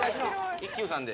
一休さんで。